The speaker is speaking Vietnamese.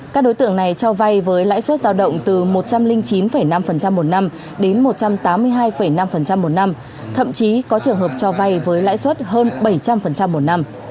các đối tượng này cho vay với lãi suất giao động từ một trăm linh chín năm một năm đến một trăm tám mươi hai năm một năm thậm chí có trường hợp cho vay với lãi suất hơn bảy trăm linh một năm